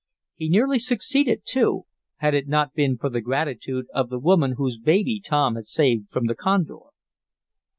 He nearly succeeded too, had it not been for the gratitude of the woman whose baby Tom had saved from the condor.